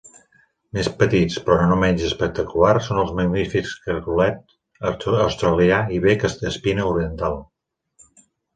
Més petits però no menys espectacular són els magnífics cargolet australià i bec d'espina oriental.